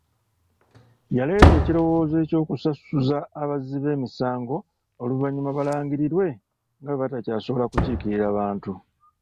Yaleeta ekirowoozo eky'okusasuza abazzi b'emisango oluvannyuma balangirirwe nga bwe batasobola kukiikirira Bantu.